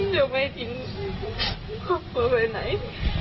จะไปทิ้งครอบครัวไปไหน